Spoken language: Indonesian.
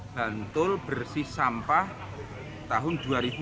bantul bersih sampah tahun dua ribu dua puluh